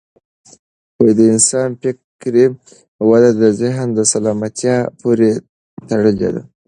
د انسان فکري وده د ذهن سالمتیا پورې تړلې ده.